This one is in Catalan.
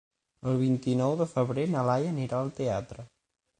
El vint-i-nou de febrer na Laia anirà al teatre.